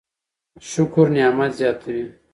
شکر نعمت زياتوي.